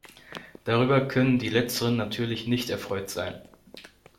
Darüber können die letzteren natürlich nicht erfreut sein.